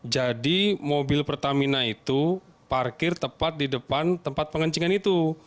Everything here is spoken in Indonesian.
jadi mobil pertamina itu parkir tepat di depan tempat pengencingan itu